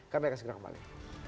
kami akan segera kembali